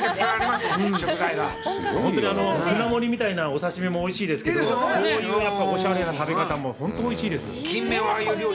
本当に舟盛りみたいなお刺身もおいしいですけど、こういうおしゃれな食べ方も本当においしいです。